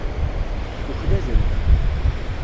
Uklalen-t.